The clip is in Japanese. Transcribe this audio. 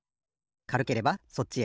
かるければそっちへ。